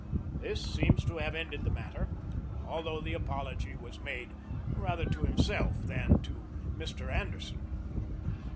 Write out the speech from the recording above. This seems to have ended the matter although the apology was made rather to himself than to Mr. Anderson.